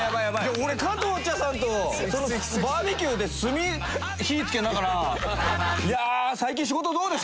俺加藤茶さんとバーベキューで炭火つけながら。